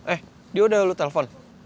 eh dia udah lu telpon